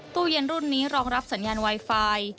ตู้เย็นรุ่นนี้รองรับสัญญาณไวไฟ